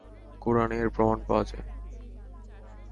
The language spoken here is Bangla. কুরআনে এর প্রমাণ পাওয়া যায়।